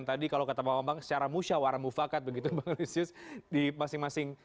tadi kalau kata pak bambang secara musyawarah mufakat begitu bang lusius di masing masing